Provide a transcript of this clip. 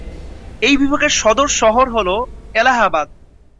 এই বিভাগের সদর শহর হল এলাহাবাদ।